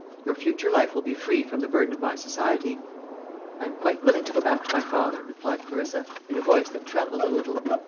Your future life will be free from the burden of my society." "I am quite willing to go back to my father," replied Clarissa, in a voice that trembled a little.